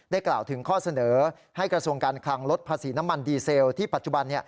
กล่าวถึงข้อเสนอให้กระทรวงการคลังลดภาษีน้ำมันดีเซลที่ปัจจุบัน